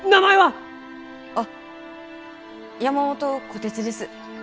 あっ山元虎鉄です。